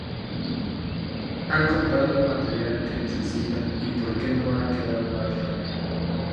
Han comprado un material que necesitan y porque no ha quedado más remedio".